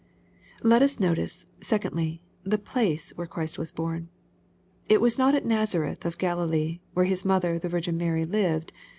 Let us notice, secondly, the place where Christ was horn. It was not at Nazareth of Galilee, where His mother, the Virgin Mary, lived.